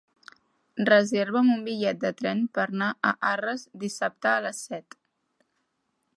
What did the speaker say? Reserva'm un bitllet de tren per anar a Arres dissabte a les set.